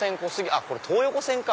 あっこれ東横線か！